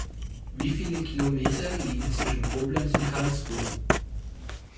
Wie viele Kilometer liegen zwischen Koblenz und Karlsruhe?